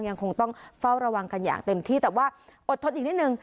ยังคงต้องเฝ้าระวังกันอย่างเต็มที่แต่ว่าอดทนอีกนิดนึง